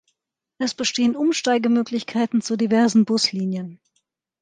Es bestehen Umsteigemöglichkeiten zu diversen Buslinien.